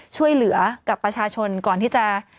ช่วยเหลือกับประชาชนก่อนที่จะ